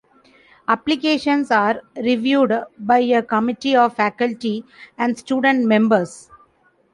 Applications are reviewed by a committee of faculty and student members.